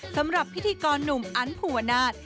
สำหรับพิธีกรหนุ่มอันภูวนาศ